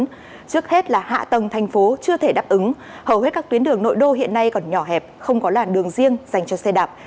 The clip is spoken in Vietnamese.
trước hết là hạ tầng thành phố chưa thể đáp ứng hầu hết các tuyến đường nội đô hiện nay còn nhỏ hẹp không có làn đường riêng dành cho xe đạp